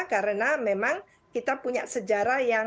karena memang kita punya sejarah yang